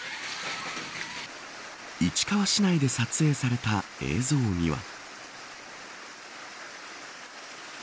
市川市内で撮影された映像には。